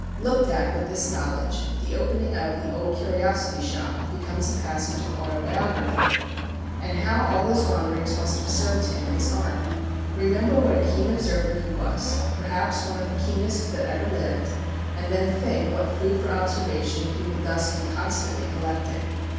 Looked at with this knowledge, the opening of the "Old Curiosity Shop" becomes a passage of autobiography. And how all these wanderings must have served him in his art! Remember what a keen observer he was, perhaps one of the keenest that ever lived, and then think what food for observation he would thus be constantly collecting.